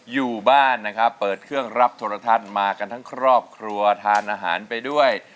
อยู่บ้านนะครับเปิดเครื่องรับโทรทัศน์มากันทั้งครอบครัวทานอาหารไปด้วย